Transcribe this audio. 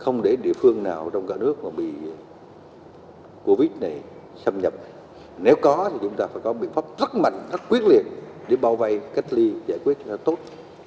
nếu có thì chúng ta phải có biện pháp rất mạnh rất quyết liệt để bao vây cách ly giải quyết cho tốt